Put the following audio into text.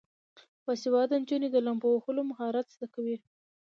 باسواده نجونې د لامبو وهلو مهارت زده کوي.